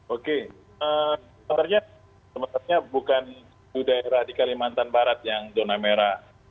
oke sebenarnya bukan tujuh daerah di kalimantan barat yang zona merah